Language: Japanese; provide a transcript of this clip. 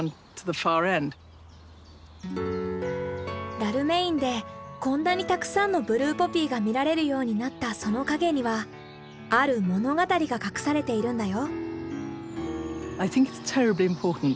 ダルメインでこんなにたくさんのブルーポピーが見られるようになったその陰にはある物語が隠されているんだよ。